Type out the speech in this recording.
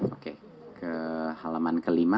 oke ke halaman kelima